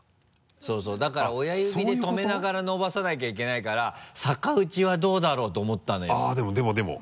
そうそうだから親指で止めながら伸ばさなきゃいけないから逆打ちはどうだろうと思ったのよあっでもでも。